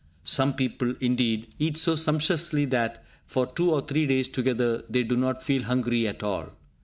Some people, indeed, eat so sumptuously that, for two or three days together, they do not feel hungry at all.